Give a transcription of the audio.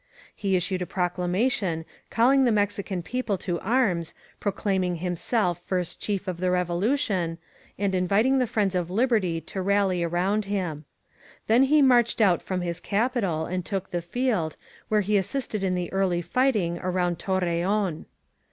He issued a proclamation calling the Mexi can people to arms, proclaiming himself First Chief of the Revolution, and inviting the friends of liberty to rally around him. Then he marched out from his capital €uid took the field, where he assisted in the early fighting around Torreon.